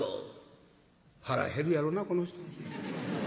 「腹減るやろなこの人。